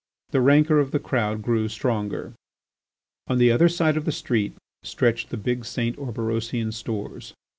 The rancour of the crowd grew stronger. On the other side of the street stretched the big St. Orberosian Stores.